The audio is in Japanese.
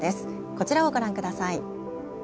こちらをご覧下さい。